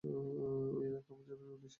ঐ এলাকা আমার জন্যেও নিষিদ্ধ।